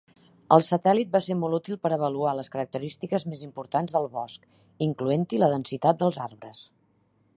El satèl·lit va ser molt útil per avaluar les característiques més important del bosc, incloent-hi la densitat dels arbres.